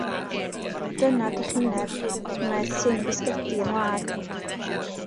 Dyna drychineb, mae'r tin bisgedi yn wag.